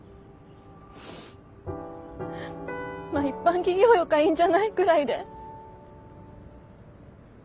まっ一般企業よかいいんじゃない？くらいで。